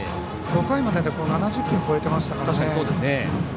５回までで７０球超えてましたからね。